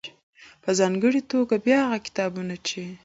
.په ځانګړې توګه بيا هغه کتابونه چې